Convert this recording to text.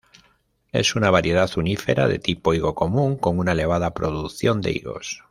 Es una variedad unífera de tipo higo común, con una elevada producción de higos.